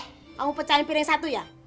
kamu pecahin piring yang satu ya